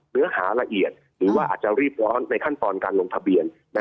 เนื้อหาละเอียดหรือว่าอาจจะรีบร้อนในขั้นตอนการลงทะเบียน